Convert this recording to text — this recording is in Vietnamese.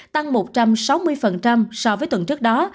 tăng một trăm sáu mươi so với tuần trước đó